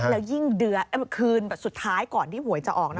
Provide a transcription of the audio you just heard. และยิ่งเดือดเมื่อคืนสุดท้ายก่อนที่หวยจะออกนะคุณ